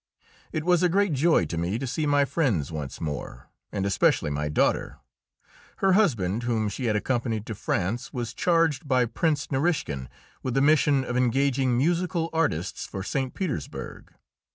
It was a great joy to me to see my friends once more, and especially my daughter. Her husband, whom she had accompanied to France, was charged by Prince Narischkin with the mission of engaging musical artists for St. Petersburg.